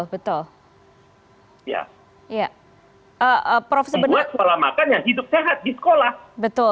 buat sekolah makan yang hidup sehat